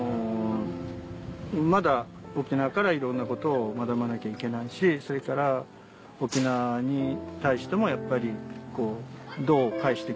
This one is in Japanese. まだ沖縄からいろんなことを学ばなきゃいけないしそれから沖縄に対してもやっぱりどう返して行くのか。